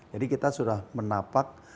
jadi kita sudah menapak